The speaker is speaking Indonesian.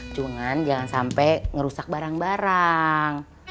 cuman jangan sampai ngerusak barang barang